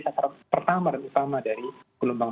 sasaran pertama dan utama dari gelombang